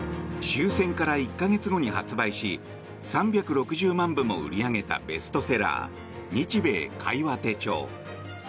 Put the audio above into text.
終戦から１か月後に発売し３６０万部も売り上げたベストセラー「日米會話手帳」。